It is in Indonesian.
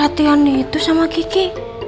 satu yang itu sama kiki